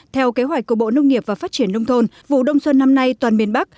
theo kế hoạch của bộ nông nghiệp và phát triển nông thôn vụ đông xuân năm nay toàn miền bắc